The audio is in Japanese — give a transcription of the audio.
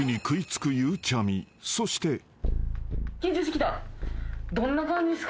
［そして］